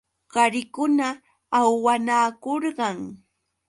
Qarikuna ahuwanakurqan.